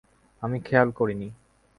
আমি খেয়াল করিনি।